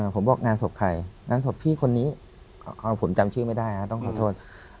ผมบอกงานศพใครงานศพพี่คนนี้ผมจำชื่อไม่ได้นะต้องขอโทษ